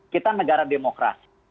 kita negara demokrasi